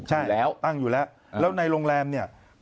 ใช่ตั้งอยู่แล้วแล้วในโรงแรมเนี่ย